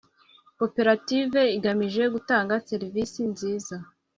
Koperative igamije gutanga serivisi nziza